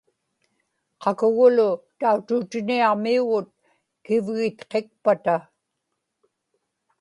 qakugulu tautuutiniaġmiugut Kivgitqikpata